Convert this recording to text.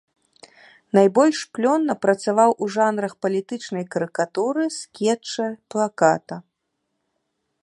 Найбольш плённа працаваў у жанрах палітычнай карыкатуры, скетча, плаката.